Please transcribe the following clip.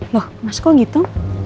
loh mas kok gitu